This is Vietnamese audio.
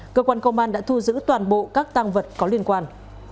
cơ quan công an đã thu giữ toàn bộ các tăng vật có liên quan